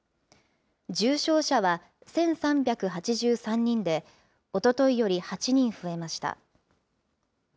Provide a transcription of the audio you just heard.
重症者は１３８３人で、おとといより８人増えました。